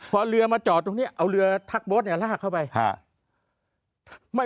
พอเรือมาจอดตรงนี้เอาเรือทักโบ๊ทเนี่ยลากเข้าไป